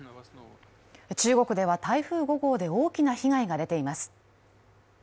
中国では台風５号で大きな被害が出ています。